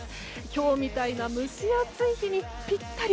今日みたいな蒸し暑い日にぴったり。